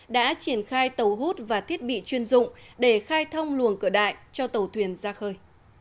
đã triển khai tàu hút và thiết bị chuyên dụng để khai thông luồng cửa đại cho tàu thuyền ra khơi